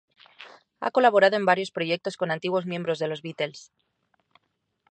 Ha colaborado en varios proyectos con antiguos miembros de los Beatles.